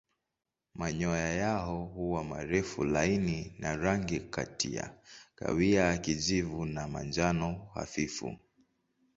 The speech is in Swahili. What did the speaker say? Manyoya yao huwa marefu laini na rangi kati ya kahawia kijivu na manjano hafifu.